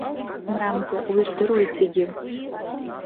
Мрамза уи рдыруеит зегьы!